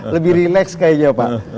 lebih rileks kayaknya pak